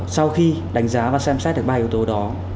sau khi đánh giá và xem xét được ba yếu tố đó